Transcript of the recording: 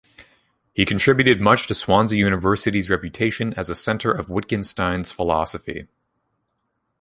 He contributed much to Swansea University's reputation as a centre of Wittgenstein's philosophy.